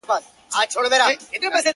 خلاصه پرېږدي خو جواب نه ورکوي